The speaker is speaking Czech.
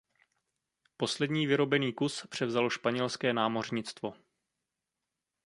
Poslední vyrobený kus převzalo Španělské námořnictvo.